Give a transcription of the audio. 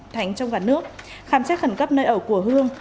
thánh trong cả nước khám xét khẩn cấp nơi ở của hương